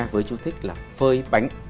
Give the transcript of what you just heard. với chú thích là phơi bánh